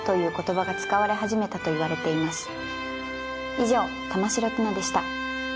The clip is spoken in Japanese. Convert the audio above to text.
以上玉城ティナでした。